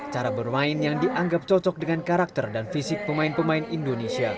cara bermain yang dianggap cocok dengan karakter dan fisik pemain pemain indonesia